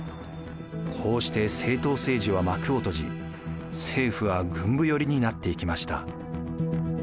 こうして政党政治は幕を閉じ政府は軍部寄りになっていきました。